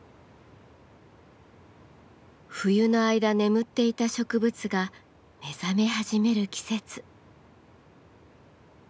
冬の間眠っていた植物が目覚め始める季節。